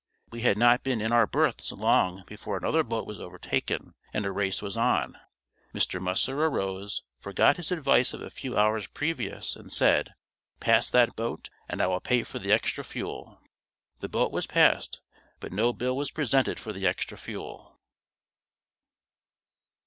We had not been in our berths long before another boat was overtaken and a race was on. Mr. Musser arose, forgot his advice of a few hours previous, and said, "Pass that boat and I will pay for the extra fuel." The boat was passed, but no bill was presented for the extra fuel.